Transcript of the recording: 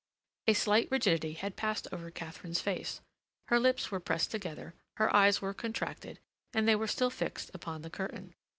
A slight rigidity had passed over Katharine's face. Her lips were pressed together; her eyes were contracted, and they were still fixed upon the curtain.